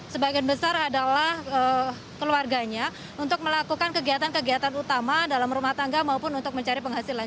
sebagian besar adalah keluarganya untuk melakukan kegiatan kegiatan utama dalam rumah tangga maupun untuk mencari penghasilan